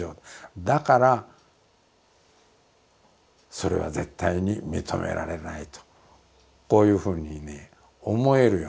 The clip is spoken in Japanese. だからそれは絶対に認められないとこういうふうにね思えるようになるんですよ。